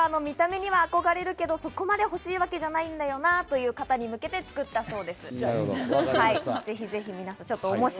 見た目には憧れるけど、そこまで欲しいわけじゃないんだよなという方に向けて作ったそうです。